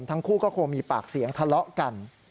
ทั้งคู่ก็คงมีปากเสียงทะเลาะกัน